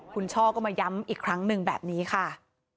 คุณช่อก็มาย้ำอีกครั้งหนึ่งแบบนี้ค่ะ